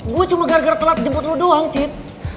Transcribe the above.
gue cuma gara gara telat jemput lo doang cid